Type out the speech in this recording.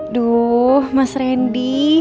aduh mas randy